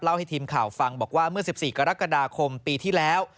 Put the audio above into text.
ให้ทีมข่าวฟังบอกว่าเมื่อ๑๔กรกฎาคมปีที่แล้ว